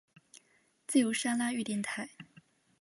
自由砂拉越电台。